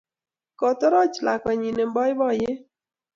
Kotoroch lakwennyi eng' poipoiyet